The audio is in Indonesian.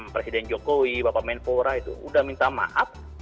presiden jokowi bapak menpora itu sudah minta maaf